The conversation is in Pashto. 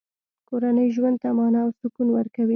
کورنۍ ژوند ته مانا او سکون ورکوي.